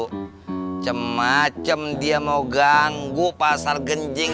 macem macem dia mau ganggu pasar genjing